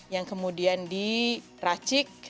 yang kemudian diracik